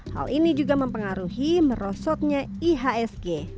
hal ini juga mempengaruhi merosotnya ihsg